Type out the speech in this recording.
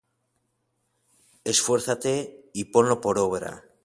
esfuérzate, y ponlo por obra.